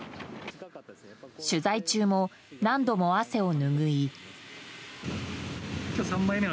取材中も何度も汗を拭い。